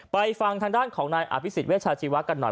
ไปฟังทางด้านของนายอภิษฐ์เวชชาชีวักษ์กันหน่อย